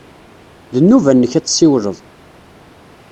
D nnuba-nnek ad tessiwleḍ!